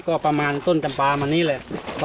ก็ประมาณต้นป่ามานี้ชัวร์